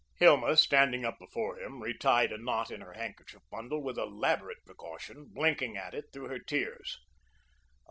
Hilma, standing up before him, retied a knot in her handkerchief bundle with elaborate precaution, blinking at it through her tears.